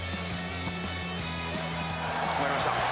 決まりました。